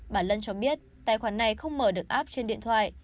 bà lân cho biết tài khoản này không mở được app trên điện thoại